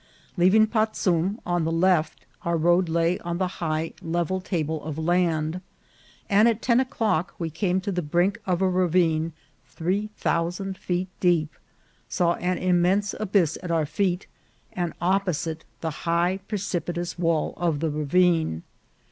Leav ing Patzum on the left, our road lay on the high, level table of land, and at ten o'clock we came to the brink of a ravine three thousand feet deep, saw an immense abyss at our feet, and opposite, the high, precipitous wall of the ravine.